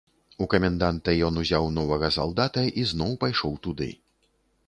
У каменданта ён узяў новага салдата і зноў пайшоў туды.